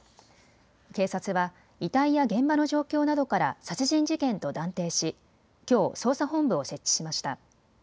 警察は遺体や現場の状況などから殺人事件と断定しきょう捜査本部を設置しました。